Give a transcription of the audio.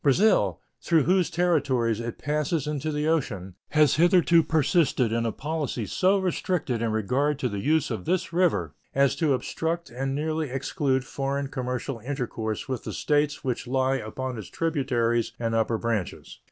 Brazil, through whose territories it passes into the ocean, has hitherto persisted in a policy so restricted in regard to the use of this river as to obstruct and nearly exclude foreign commercial intercourse with the States which lie upon its tributaries and upper branches.